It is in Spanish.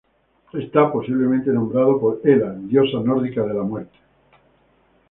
Está posiblemente nombrado por Hela, diosa nórdica de la muerte.